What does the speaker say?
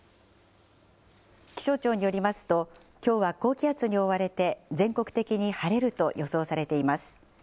気象庁によりますと、きょうは高気圧に覆われて、全国的に晴れると予想されています。